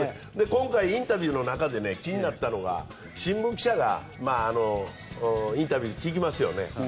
今回、インタビューの中で気になったのが新聞記者がインタビュー聞きますよね。